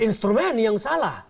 instrumen yang salah